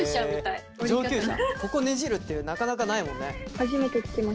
ここねじるってなかなかないもんね。